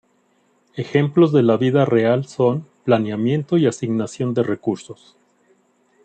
Ejemplos de la vida real son Planeamiento y Asignación de recursos.